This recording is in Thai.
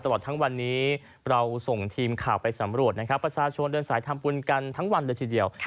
ตลอดทั้งวันนี้เราส่งทีมข่าวไปสำรวจนะครับประชาชนเดินสายทำบุญกันทั้งวันเลยทีเดียว